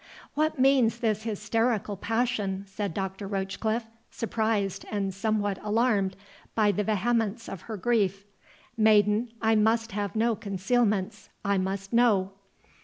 "What means this hysterical passion?" said Dr. Rochecliffe, surprised and somewhat alarmed by the vehemence of her grief—"Maiden, I must have no concealments; I must know."